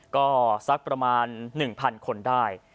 ก็สักประมาณ๑๐๐คนได้